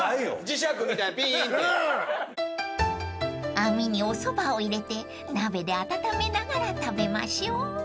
［網におそばを入れて鍋で温めながら食べましょう］